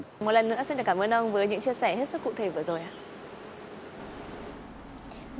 và một lần nữa xin cảm ơn ông với những chia sẻ hết sức cụ thể vừa rồi ạ